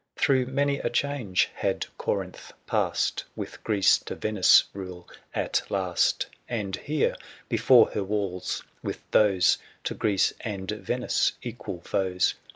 ^«»#!' 75 Through many a change had Corinth passed *^ With Greece to Venice' rule at last; '' And here, before her walls, with those To Greece and Venice equal foes, THE SIEGE OF CORINTH.